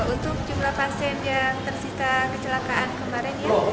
untuk jumlah pasien yang tersisa kecelakaan kemarin